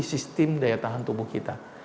sistem daya tahan tubuh kita